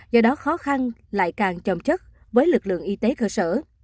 do đó khó khăn lại càng trầm chất với lực lượng y tế cơ sở